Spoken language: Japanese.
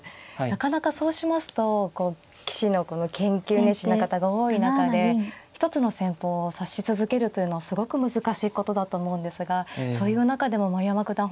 なかなかそうしますとこう棋士のこの研究熱心な方が多い中で一つの戦法を指し続けるというのはすごく難しいことだと思うんですがそういう中でも丸山九段